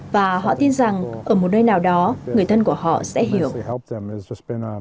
và họ tin rằng ở một nơi nào đó người thân của họ sẽ hiểu